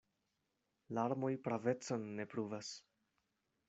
Larmoj pravecon ne pruvas.